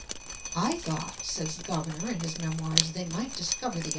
"I thought," says the Governor in his memoirs, "they might discover the enemy."